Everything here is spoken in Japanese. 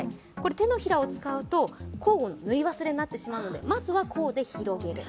手のひらを使うと交互に塗り忘れになってしまうのでまずは甲で広げる。